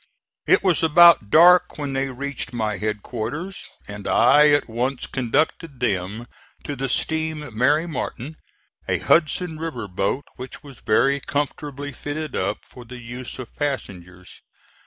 It was about dark when they reached my headquarters, and I at once conducted them to the steam Mary Martin, a Hudson River boat which was very comfortably fitted up for the use of passengers.